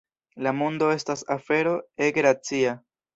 La mondo estas afero ege racia.